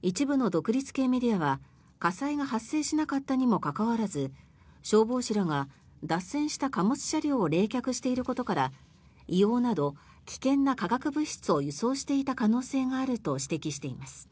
一部の独立系メディアは火災が発生しなかったにもかかわらず消防士らが脱線した貨物車両を冷却していることから硫黄など危険な化学物質を輸送していた可能性があると指摘しています。